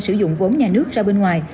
sử dụng vốn nhà nước ra bên ngoài